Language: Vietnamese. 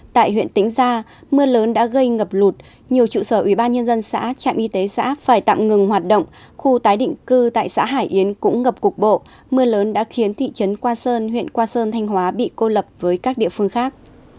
tại huyện tĩnh gia mưa lớn đã gây ngập lụt nhiều trụ sở ubnd xã trạm y tế xã phải tạm ngừng hoạt động khu tái định cư tại xã hải yến cũng ngập cục bộ mưa lớn đã khiến thị trấn qua sơn huyện quang sơn thanh hóa bị cô lập với các địa phương khác